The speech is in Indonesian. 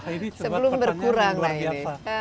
nah ini sebuah pertanyaan luar biasa